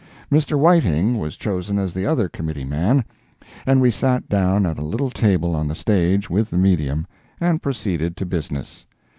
Mr. Whiting was chosen as the other committee man, and we sat down at a little table on the stage with the medium, and proceeded to business.